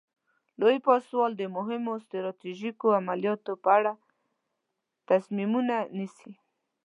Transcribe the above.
لوی پاسوال د مهمو ستراتیژیکو عملیاتو په اړه تصمیمونه نیسي.